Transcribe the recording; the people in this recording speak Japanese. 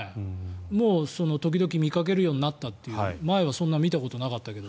時々見かけるようになったということで前はそんなに見たことなかったけど。